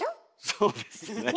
そうですね。